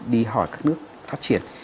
đi hỏi các nước phát triển